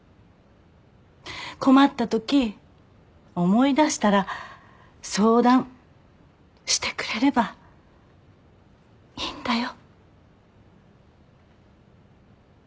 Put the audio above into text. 困ったとき思い出したら相談してくれればいいんだよ。